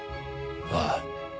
ああ。